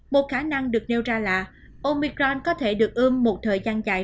một khả năng được nêu ra là omicron có thể được ươm một thời gian dài